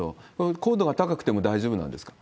高度が高くても大丈夫なんですか？